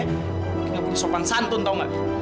bikin aku disopan santun tau nggak